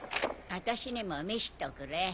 私にも見しとくれ。